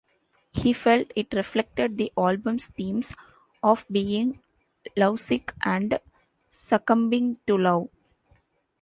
He felt it reflected the album's themes of being lovesick and succumbing to love.